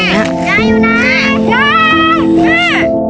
แย่อยู่ไหน